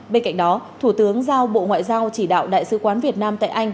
bên cạnh đó thủ tướng giao bộ ngoại giao chỉ đạo đại sứ quán việt nam tại anh